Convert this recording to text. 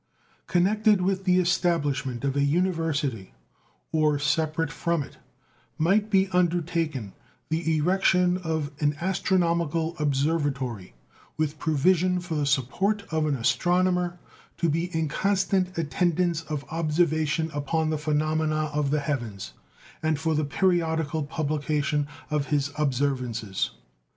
Connected with the establishment of an university, or separate from it, might be undertaken the erection of an astronomical observatory, with provision for the support of an astronomer, to be in constant attendance of observation upon the phenomena of the heavens, and for the periodical publication of his observances.